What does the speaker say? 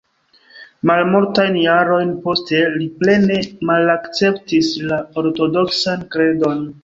Malmultajn jarojn poste li plene malakceptis la ortodoksan kredon.